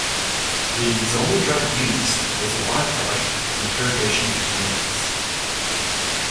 The "zombie drug" used was a by-product of interrogation techniques.